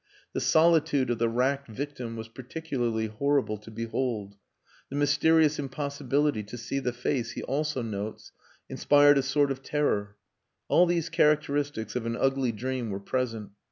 The solitude of the racked victim was particularly horrible to behold. The mysterious impossibility to see the face, he also notes, inspired a sort of terror. All these characteristics of an ugly dream were present.